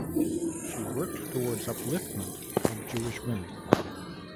She worked towards upliftment of Jewish women.